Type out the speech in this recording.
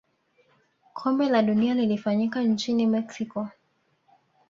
kombe la dunia lilifanyika nchini mexico